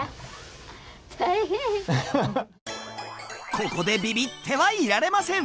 ここでビビってはいられません！